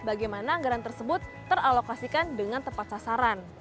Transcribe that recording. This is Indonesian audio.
bagaimana anggaran tersebut teralokasikan dengan tepat sasaran